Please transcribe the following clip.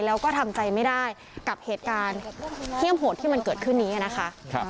แล้วก็ทำใจไม่ได้กับเหตุการณ์เฮี่ยมโหดที่มันเกิดขึ้นนี้นะคะ